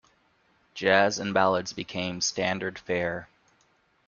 Jazz and ballads became standard fare.